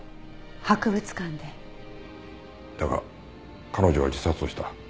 だが彼女は自殺をした。